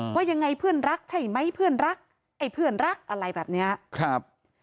ว่ายังไงเพื่อนรักใช่ไหมเพื่อนรักไอ้เพื่อนรักอะไรแบบเนี้ยครับ